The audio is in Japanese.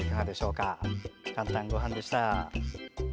「かんたんごはん」でした。